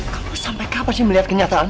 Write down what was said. kamu sampai kapan sih melihat kenyataan